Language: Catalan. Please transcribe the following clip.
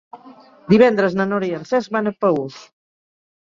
Divendres na Nora i en Cesc van a Paüls.